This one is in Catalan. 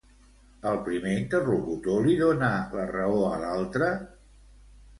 El primer interlocutor li dona la raó a l'altre?